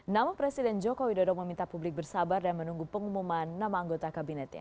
nama presiden joko widodo meminta publik bersabar dan menunggu pengumuman nama anggota kabinetnya